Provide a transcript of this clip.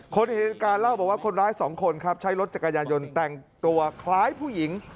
เห็นเหตุการณ์เล่าบอกว่าคนร้ายสองคนครับใช้รถจักรยานยนต์แต่งตัวคล้ายผู้หญิง